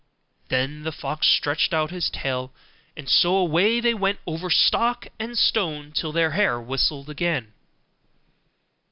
Then the fox stretched out his tail, and so away they went over stock and stone till their hair whistled again.